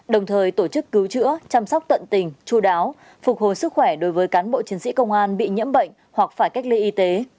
đồng thời tổ chức cứu chữa chăm sóc tận tình chú đáo phục hồi sức khỏe đối với cán bộ chiến sĩ công an bị nhiễm bệnh hoặc phải cách ly y tế